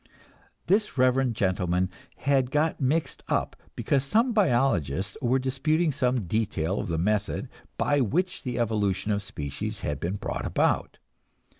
This reverend gentleman had got mixed up because some biologists were disputing some detail of the method by which the evolution of species had been brought about.